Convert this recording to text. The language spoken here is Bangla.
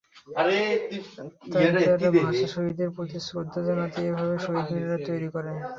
তাই তারা ভাষা শহীদদের প্রতি শ্রদ্ধা জানাতে এভাবে শহীদ মিনার তৈরি করে।